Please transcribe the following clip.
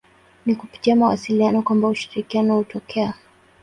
Ni kupitia mawasiliano kwamba ushirikiano hutokea.